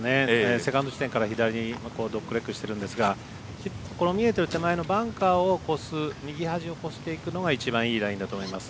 セカンド地点から左にドッグしてるんですがこの見えてる手前のバンカーの右端を越していくのが一番いいラインだと思います。